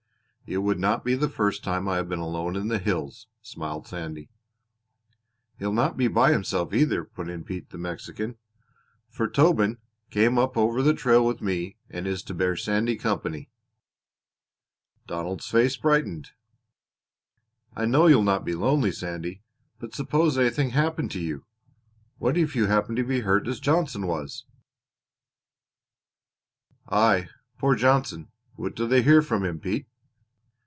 "It would not be the first time I have been alone in the hills," smiled Sandy. "He'll not be by himself either," put in Pete, the Mexican, "for Tobin came up over the trail with me and is to bear Sandy company." Donald's face brightened. "I know you'll not be lonely, Sandy," he said, "but suppose anything happened to you what if you happened to be hurt as Johnson was?" "Aye, poor Johnson! What do they hear from him, Pete?"